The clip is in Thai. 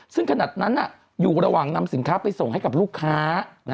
ซึ่งขนาดนั้นอยู่ระหว่างนำสินค้าไปส่งให้กับลูกค้า